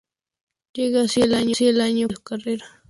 Llega así el año clave en su carrera.